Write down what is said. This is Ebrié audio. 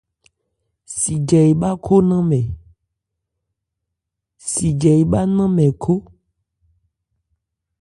Sijɛ ebhá khó ńnamɛ.